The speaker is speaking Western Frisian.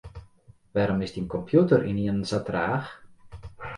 Wêrom is dyn kompjûter ynienen sa traach?